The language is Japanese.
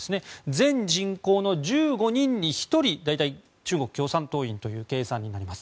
全人口の１５人に１人が大体、中国共産党員という計算になります。